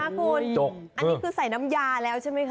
อันนี้คือใส่น้ำยาแล้วใช่ไหมคะ